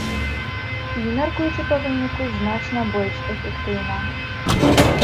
І, мяркуючы па выніку, значна больш эфектыўна.